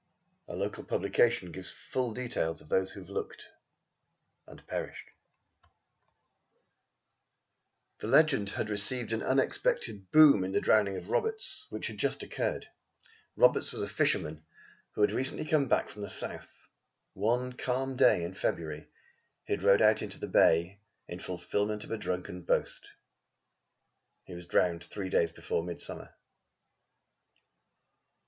A local publication gives full details of those who have looked and perished. The legend had received an unexpected boom in the drowning of Roberts, which had just occurred. Roberts was a fisherman who had recently come from the South. One calm day in February he had rowed out into the bay in fulfilment of a drunken boast. He was drowned three days before Midsummer.